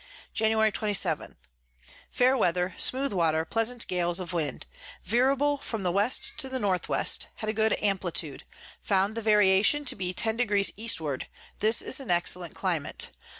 Jan. 27. Fair Weather, smooth Water, pleasant Gales of Wind, veerable from the W. to the N W. had a good Amplitude, found the Variation to be 10 deg. Eastward. This is an excellent Climate.